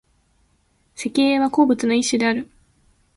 石英は鉱物の一種である。